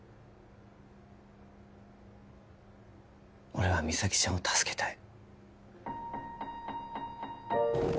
俺は実咲ちゃんを助けたい